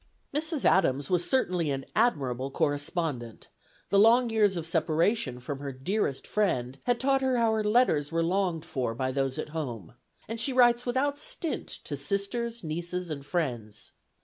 Mrs. Adams was certainly an admirable correspondent; the long years of separation from her "dearest friend" had taught her how letters were longed for by those at home; and she writes without stint to sisters, nieces and friends.